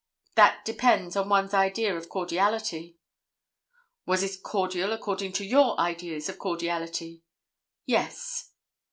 "That depends upon one's idea of cordiality." "Was it cordial according to your ideas of cordiality?" "Yes."